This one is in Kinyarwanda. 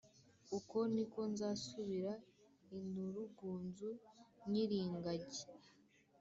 uko niko nzasubira Inurugunzu nyir’ingagi